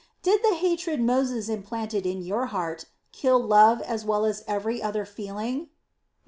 Did the hatred Moses implanted in your heart kill love as well as every other feeling?"